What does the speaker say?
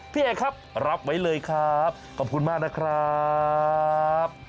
พี่เอกครับรับไว้เลยครับขอบคุณมากนะครับ